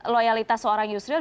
loyalitas seorang yusril